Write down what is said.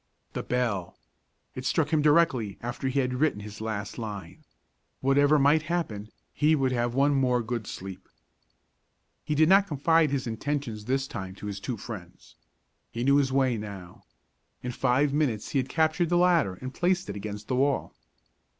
The bell! It struck him directly after he had written his last line. Whatever might happen, he would have one more good sleep. He did not confide his intentions this time to his two friends. He knew his way now. In five minutes he had captured the ladder and placed it against the wall.